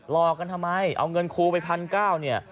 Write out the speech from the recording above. รอกันทำไมเอาเงินครูไปพันเก้าเนี่ย